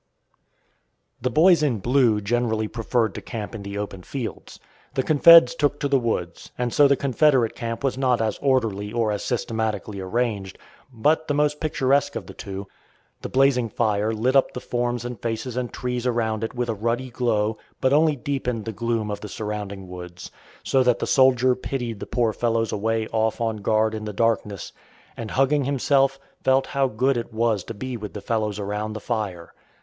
The "Boys in Blue" generally preferred to camp in the open fields. The Confeds took to the woods, and so the Confederate camp was not as orderly or as systematically arranged, but the most picturesque of the two. The blazing fire lit up the forms and faces and trees around it with a ruddy glow, but only deepened the gloom of the surrounding woods; so that the soldier pitied the poor fellows away off on guard in the darkness, and, hugging himself, felt how good it was to be with the fellows around the fire.